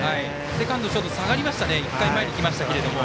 セカンド、ショート下がりました。